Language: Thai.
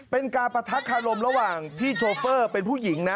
เป็นการปะทะคารมระหว่างพี่โชเฟอร์เป็นผู้หญิงนะ